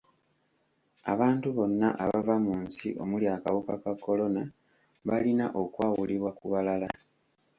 Abantu bonna abava mu nsi omuli akawuka ka kolona balina okwawulibwa ku balala.